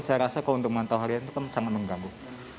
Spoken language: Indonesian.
saya rasa kalau untuk memantau harian itu kan sangat mengganggu